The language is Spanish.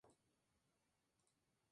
Es de ascendencia puertorriqueña y china.